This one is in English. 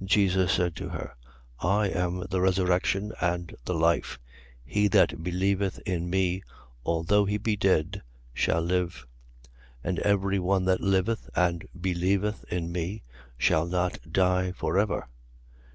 11:25. Jesus said to her: I am the resurrection and the life: he that believeth in me, although he be dead, shall live: 11:26. And every one that liveth and believeth in me shall not die for ever.